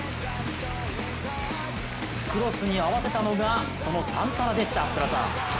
クロスに合わせたのがそのサンタナでした。